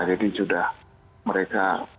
jadi sudah mereka